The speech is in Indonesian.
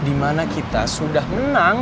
dimana kita sudah menang